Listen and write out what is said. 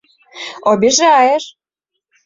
— Обижа-аешь!